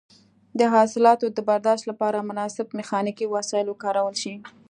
د حاصلاتو د برداشت لپاره مناسب میخانیکي وسایل وکارول شي.